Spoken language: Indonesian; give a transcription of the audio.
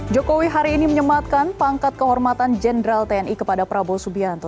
jokowi hari ini menyematkan pangkat kehormatan jenderal tni kepada prabowo subianto